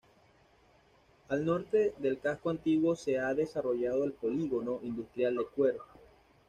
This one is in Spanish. Al norte del casco antiguo se ha desarrollado el Polígono Industrial de Quer.